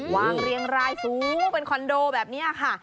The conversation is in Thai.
เรียงรายสูงเป็นคอนโดแบบนี้ค่ะ